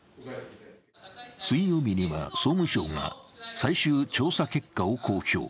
水曜日には総務省が最終調査結果を公表。